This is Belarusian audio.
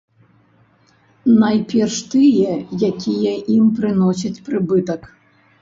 Найперш тыя, якія ім прыносяць прыбытак.